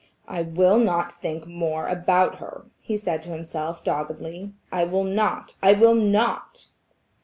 "I will not think more about her," he said to himself, doggedly. "I will not–I will not."